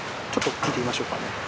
ちょっと聞いてみましょうかね。